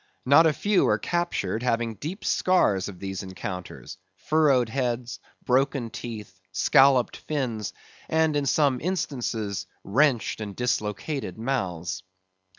Not a few are captured having the deep scars of these encounters,—furrowed heads, broken teeth, scolloped fins; and in some instances, wrenched and dislocated mouths.